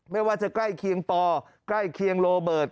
ไม่ว่าจะใกล้เคียงปอใกล้เคียงโรเบิร์ต